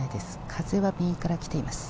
風は右から来ています。